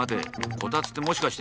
コタツってもしかして。